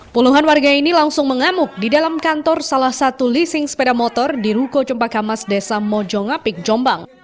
puluhan warga ini langsung mengamuk di dalam kantor salah satu leasing sepeda motor di ruko cumpakamas desa mojongapik jombang